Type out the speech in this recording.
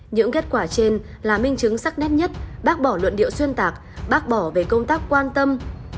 những kết quả trên là minh chứng sắc nét nhất bác bỏ luận điệu xuyên tạc bác bỏ về công tác quan tâm